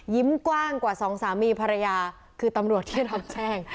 ยิ้มกว้างกว่า๒สามีภรรยาคือตำรวจที่เราแช่ง